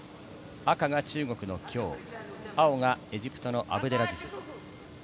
赤が中国のキョウ、青がエジプトのアブデラジズ。